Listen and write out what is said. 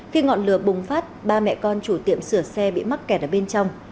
khi ngọn lửa bùng phát ba mẹ con chủ tiệm sửa xe bị mắc kẹt ở bên trong